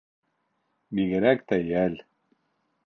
Бигерәк тә йәл